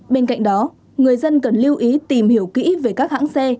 bên cạnh đó người dân cần lưu ý tìm hiểu kỹ về các hãng xe